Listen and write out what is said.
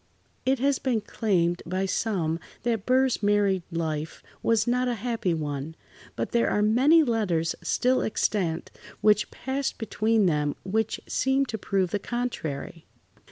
It has been claimed by some that Burr's married life was not a happy one, but there are many letters still extant which passed between them which seemed to prove the contrary.